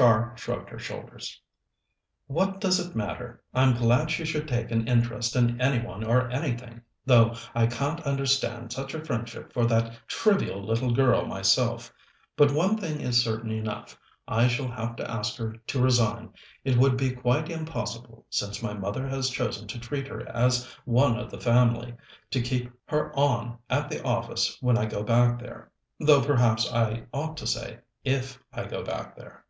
Char shrugged her shoulders. "What does it matter? I'm glad she should take an interest in any one or anything, though I can't understand such a friendship for that trivial little girl myself. But one thing is certain enough: I shall have to ask her to resign. It would be quite impossible, since my mother has chosen to treat her as one of the family, to keep her on at the office when I go back there. Though perhaps I ought to say if I go back there."